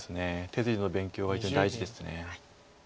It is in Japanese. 手筋の勉強は非常に大事です。